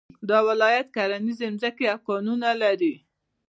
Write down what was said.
دا ولايت کرنيزې ځمکې او کانونه لري